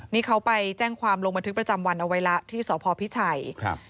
นี่เขาไปแจ้งความลงบันทึกประจำวันเอาไว้ละที่สพพิชัยครับ